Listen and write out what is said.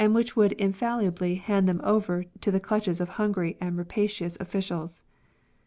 which would infallibly hand them over to the clutches of hungry and rapacious officials.